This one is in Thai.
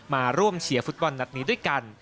มาร่วมเชียร์ฟุตบอลนัดนี้ด้วยกัน